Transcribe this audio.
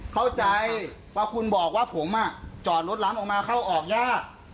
เข้าใจว่าคุณบอกว่าผมอ่ะจอดรถล้ำออกมาออกที่แลนด์